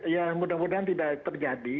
ya mudah mudahan tidak terjadi